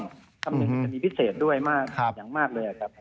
คำนึงเป็นการณีพิเศษด้วยมากอย่างมากเลยครับ